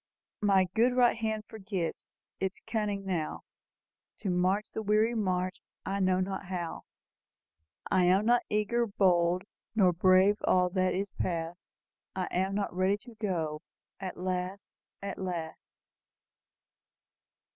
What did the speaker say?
'My good right hand forgets Its cunning now. To march the weary march, I know not how. 'I am not eager, bold, Nor brave; all that is past. I am ready not to do, At last, at last!